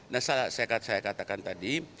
nah saya katakan tadi